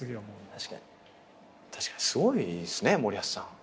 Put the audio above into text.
確かにすごいっすね森保さん。